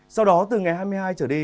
sau đó từ ngày hai mươi hai trở đi